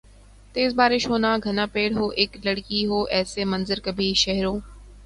تیز بارش ہو گھنا پیڑ ہو اِک لڑکی ہوایسے منظر کبھی شہروں